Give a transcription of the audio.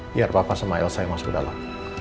biar papa sama elsa yang masuk ke dalam